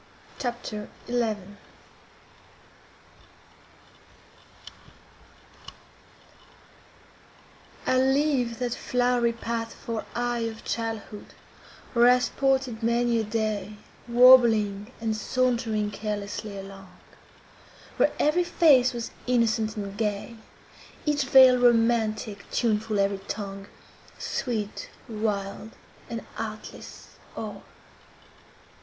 CHAPTER XI I leave that flowery path for eye Of childhood, where I sported many a day, Warbling and sauntering carelessly along; Where every face was innocent and gay, Each vale romantic, tuneful every tongue— Sweet, wild, and artless, all.